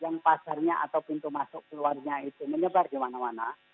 yang pasarnya atau pintu masuk keluarnya itu menyebar di mana mana